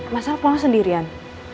mas al pulang sendirian